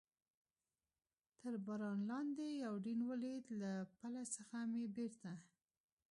تر باران لاندې یوډین ولید، له پله څخه مې بېرته.